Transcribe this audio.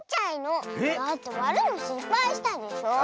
だってわるのしっぱいしたでしょ？